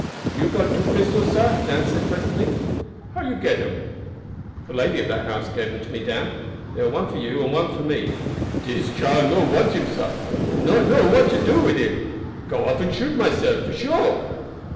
"You got two pistols, sah," Dan said presently. "How you get dem?" "The lady of that house gave them to me, Dan; they are one for you and one for me." "Dis chile no want him, sah; not know what to do wid him. Go off and shoot myself, for sure."